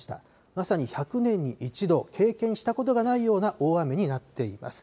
まさに１００年に１度、経験したことがないような大雨になっています。